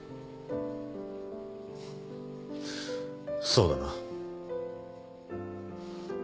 そうだな。